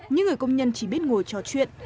những người công nhân chỉ biết ngồi trò chuyện